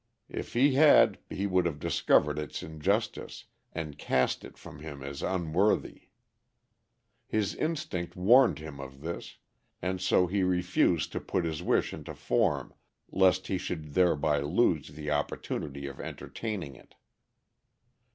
If he had he would have discovered its injustice, and cast it from him as unworthy. His instinct warned him of this, and so he refused to put his wish into form lest he should thereby lose the opportunity of entertaining it.